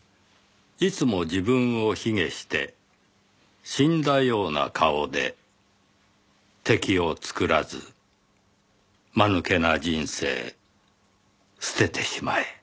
「いつも自分を卑下して死んだような顔で敵を作らずまぬけな人生捨ててしまえ」